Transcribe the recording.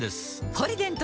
「ポリデント」